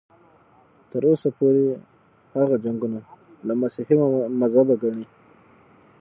تر اوسه پورې هغه جنګونه له مسیحي مذهبه ګڼي.